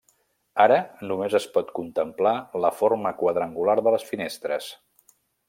Ara només es pot contemplar la forma quadrangular de les finestres.